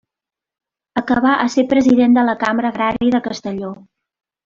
Acabà a ser president de la Cambra Agrària de Castelló.